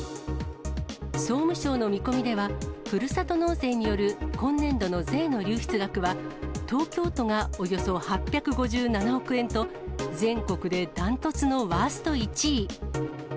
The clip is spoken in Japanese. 総務省の見込みでは、ふるさと納税による今年度の税の流出額は、東京都がおよそ８５７億円と、全国でダントツのワースト１位。